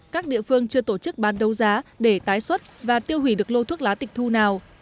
các địa phương chưa tổ chức bán đấu giá để tái xuất và tiêu hủy được lô thuốc lá tịch thu nào